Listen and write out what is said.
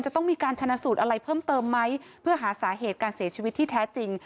จะต้องมีการชนะสูตรอะไรเพิ่มเติมไหมเพื่อหาสาเหตุการเสียชีวิตที่แท้จริง